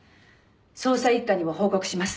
捜査一課にも報告します。